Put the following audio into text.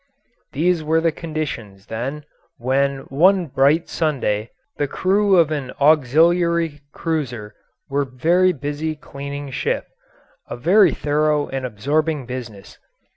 These were the conditions, then, when one bright Sunday the crew of an auxiliary cruiser were very busy cleaning ship a very thorough and absorbing business.